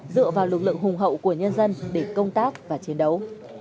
dựa vào lực lượng hùng hậu của nhân dân để công tác và chiến đấu